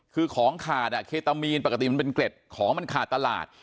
คือของขาดเคตามีนปกติมันเป็นเกร็ดของมันขาดตลาด